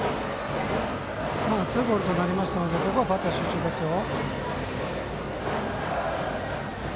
ツーボールとなりましたのでここはバッター集中ですよ。